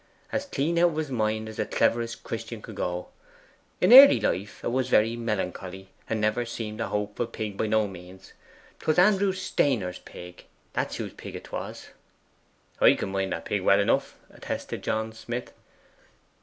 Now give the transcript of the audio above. As clean out of his mind as the cleverest Christian could go. In early life 'a was very melancholy, and never seemed a hopeful pig by no means. 'Twas Andrew Stainer's pig that's whose pig 'twas.' 'I can mind the pig well enough,' attested John Smith.